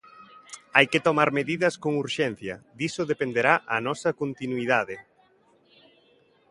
"Hai que tomar medidas con urxencia, diso dependerá a nosa continuidade".